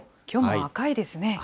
きょうも赤いですね。